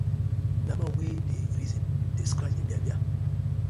Na man wey dey reason dey scratch im bear-bear.